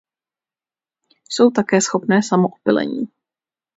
Jsou také schopné samoopylení.